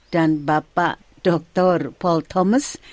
dan bapak dr paul thomas